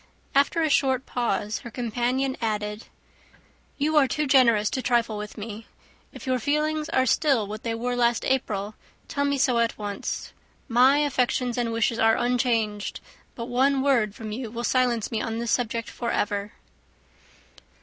After a short pause, her companion added, "You are too generous to trifle with me. If your feelings are still what they were last April, tell me so at once. My affections and wishes are unchanged; but one word from you will silence me on this subject for ever."